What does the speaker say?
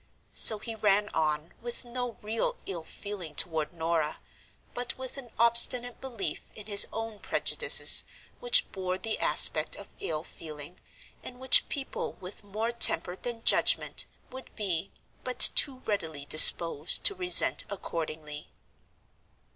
So he ran on, with no real ill feeling toward Norah, but with an obstinate belief in his own prejudices which bore the aspect of ill feeling, and which people with more temper than judgment would be but too readily disposed to resent accordingly.